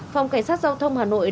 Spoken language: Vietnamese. phòng cảnh sát giao thông hà nội